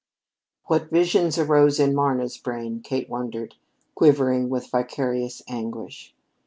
What visions arose in Marna's brain, Kate wondered, quivering with vicarious anguish.